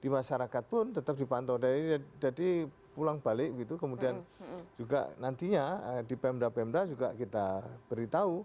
masyarakat pun tetap dipantau dari jadi pulang balik gitu kemudian juga nantinya di pemda pemda juga kita beritahu